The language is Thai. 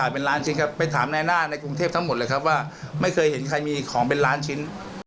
ประมามใช่ไหมครับ